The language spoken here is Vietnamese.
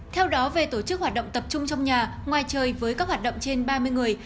theo đó về tổ chức hoạt động tập trung trong nhà ngoài trời với các hoạt động trên ba mươi người